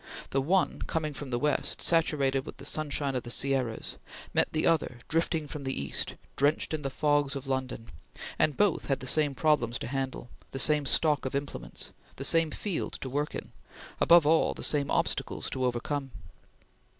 The one, coming from the west, saturated with the sunshine of the Sierras, met the other, drifting from the east, drenched in the fogs of London, and both had the same problems to handle the same stock of implements the same field to work in; above all, the same obstacles to overcome.